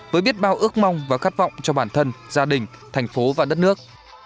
với biết bao ước mong và khát vọng cho bản thân gia đình thành phố và đất nước